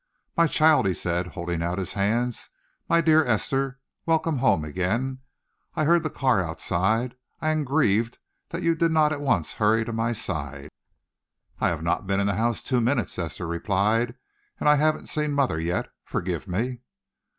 "My child," he said, holding out his hands, "my dear Esther, welcome home again! I heard the car outside. I am grieved that you did not at once hurry to my side." "I have not been in the house two minutes," Esther replied, "and I haven't seen mother yet. Forgive me."